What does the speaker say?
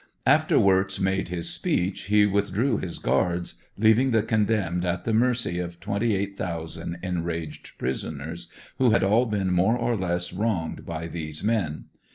After Wirtz made his speech he with drew his guards, leaving the condemned at the mercy of 28,000 enraged prisoners who had all been more or less wronged by these men.